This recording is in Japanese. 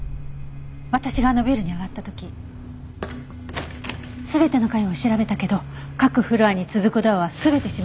私があのビルに上がった時全ての階を調べたけど各フロアに続くドアは全て閉まってた。